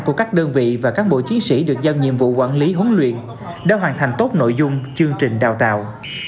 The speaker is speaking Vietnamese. của các đơn vị và các bộ chiến sĩ được giao nhiệm vụ quản lý huấn luyện đã hoàn thành tốt nội dung chương trình đào tạo